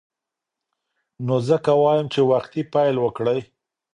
نو ځکه وایم چې وختي پیل وکړئ.